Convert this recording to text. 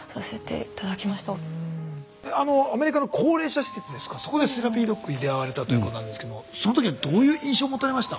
あのアメリカの高齢者施設ですかそこでセラピードッグに出会われたということなんですけどもその時はどういう印象持たれました？